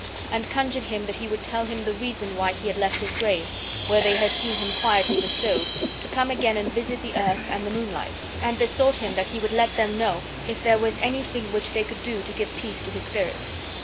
and conjured him that he would tell the reason why he had left his grave, where they had seen him quietly bestowed, to come again and visit the earth and the moonlight; and besought him that he would let them know if there was anything which they could do to give peace to his spirit.